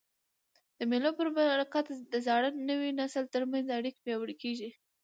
د مېلو په برکت د زاړه او نوي نسل تر منځ اړیکي پیاوړي کېږي.